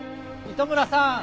糸村さん！